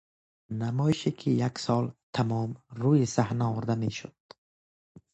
نمایشی که یک سال تمام روی صحنه آورده میشد